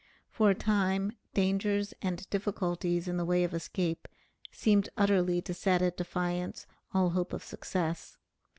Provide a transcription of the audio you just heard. For a time dangers and difficulties in the way of escape seemed utterly to set at defiance all hope of success.